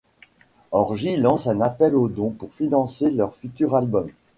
Orgy lance un appel aux dons pour financer leur futur album.